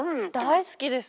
大好きです。